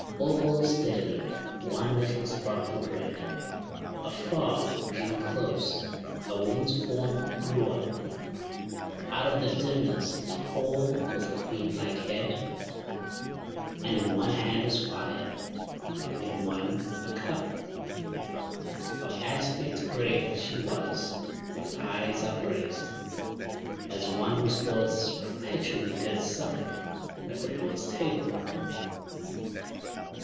All steadily, one little sparkle red, Afar, drew close. A woman's form grew up Out of the dimness, tall, with queen like head, And in one hand was fire; in one, a cup. Of aspect grave she was, with eyes upraised, As one whose thoughts perpetually did sup At the Lord's table.